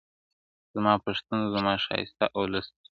o زما پښتون زما ښايسته اولس ته.